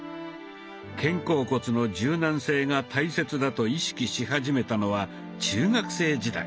肩甲骨の柔軟性が大切だと意識し始めたのは中学生時代。